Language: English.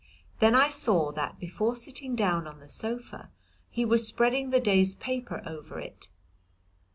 Then I saw that, before sitting down on the sofa, he was spreading the day's paper over it.